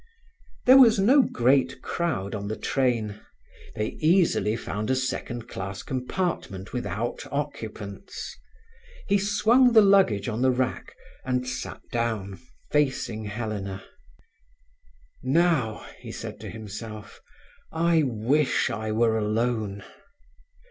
There was no great crowd on the train. They easily found a second class compartment without occupants. He swung the luggage on the rack and sat down, facing Helena. "Now," said he to himself, "I wish I were alone."